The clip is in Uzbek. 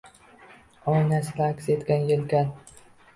Oynasida aks etgan yelkan